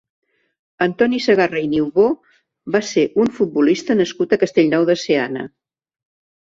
Antoni Segarra i Niubó va ser un futbolista nascut a Castellnou de Seana.